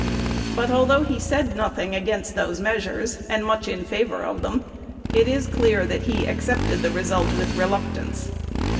But although he said nothing against those measures, and much in favor of them, it is clear that he accepted the result with reluctance.